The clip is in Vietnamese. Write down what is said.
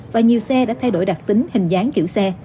và nhiều xe đã thay đổi đặc tính hình dáng kiểu xe